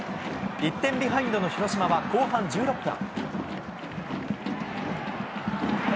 １点ビハインドの広島は後半１６分。